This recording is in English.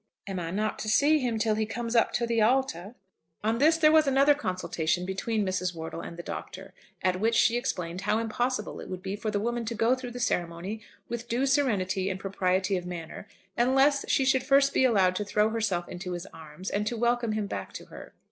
"Am I not to see him till he comes up to the altar?" On this there was another consultation between Mrs. Wortle and the Doctor, at which she explained how impossible it would be for the woman to go through the ceremony with due serenity and propriety of manner unless she should be first allowed to throw herself into his arms, and to welcome him back to her.